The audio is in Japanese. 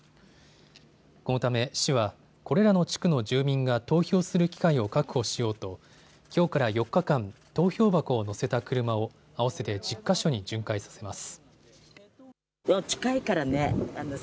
このため市はこれらの地区の住民が投票する機会を確保しようときょうから４日間、投票箱を載せた車を合わせて１０か所に巡回させます。